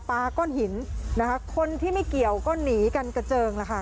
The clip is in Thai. ปาก้อนหินนะคะคนที่ไม่เกี่ยวก็หนีกันกระเจิงละค่ะ